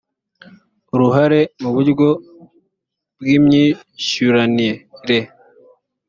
uruhare mu buryo bw imyishyuranire